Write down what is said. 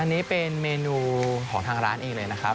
อันนี้เป็นเมนูของทางร้านเองเลยนะครับ